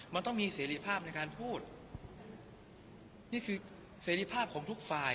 มันต้องมีเสรีภาพในการพูดนี่คือเสรีภาพของทุกฝ่าย